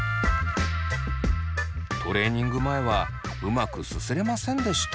トレーニング前はうまくすすれませんでした。